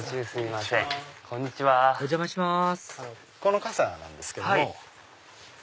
この傘なんですけども。